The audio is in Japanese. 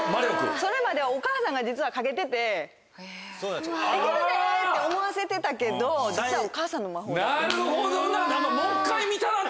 それまではお母さんが実はかけててできるでって思わせてたけど実はお母さんの魔法だって。